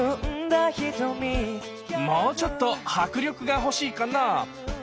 もうちょっと迫力が欲しいかな？